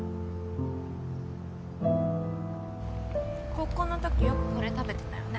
高校のときよくこれ食べてたよね。